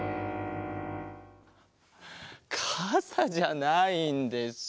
かさじゃないんです。